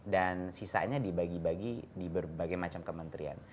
dan sisanya dibagi bagi di berbagai macam kementerian